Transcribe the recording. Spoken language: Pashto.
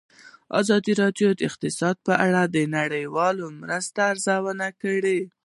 ازادي راډیو د اقتصاد په اړه د نړیوالو مرستو ارزونه کړې.